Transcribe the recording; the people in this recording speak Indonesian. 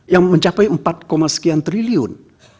yang mencapai empat sekian triliun